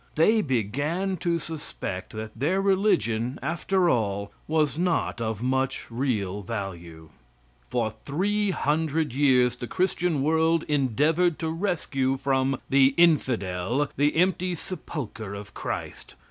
They began to suspect, that their religion, after all, was not of much real value. For three hundred years the Christian world endeavored to rescue from the "Infidel" the empty sepulchre of Christ.